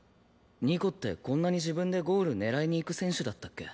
二子ってこんなに自分でゴール狙いにいく選手だったっけ？